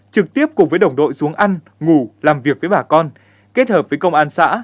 trực tiếp cùng với đồng đội xuống ăn ngủ làm việc với bà con kết hợp với công an xã